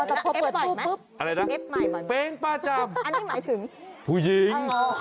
เออแต่พอเปิดตู้ปุ๊บอะไรนะเป๊งป้าจำผู้หญิงอ๋ออ๋อ